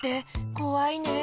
こわいねえ。